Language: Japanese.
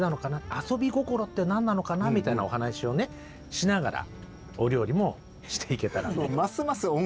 「アソビゴコロ」って何なのかなみたいなお話をねしながらお料理もしていけたらと。